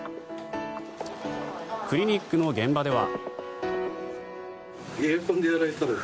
クリニックの現場では。